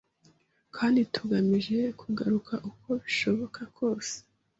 kandi tugamije kugaruka uko bishoboka kose